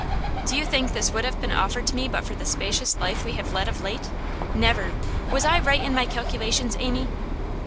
'Do you think this would have been offered to me but for the spacious life we have led of late? Never! Was I right in my calculations, Amy?